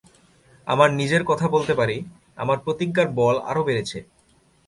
আমার নিজের কথা বলতে পারি, আমার প্রতিজ্ঞার বল আরো বেড়েছে।